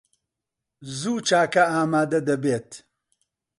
زوو چاکە ئامادە دەبێت.